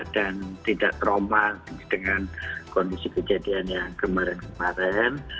dan tidak trauma dengan kondisi kejadian yang kemarin kemarin